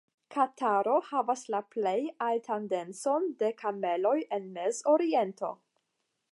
Kataro havas la plej altan denson de kameloj en Mezoriento.